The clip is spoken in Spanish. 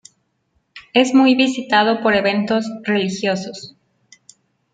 Es muy visitado por eventos religiosos.